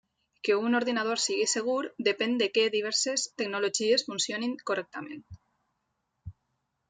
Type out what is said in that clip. Que un ordinador sigui segur depèn de què diverses tecnologies funcionin correctament.